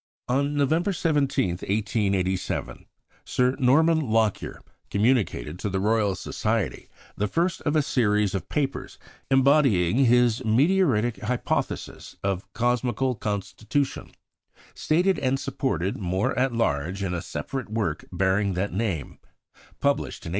On November 17, 1887, Sir Norman Lockyer communicated to the Royal Society the first of a series of papers embodying his "Meteoritic Hypothesis" of cosmical constitution, stated and supported more at large in a separate work bearing that name, published in 1890.